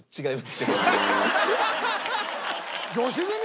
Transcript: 違うよ。